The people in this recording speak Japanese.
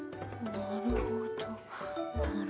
なるほどなるほど。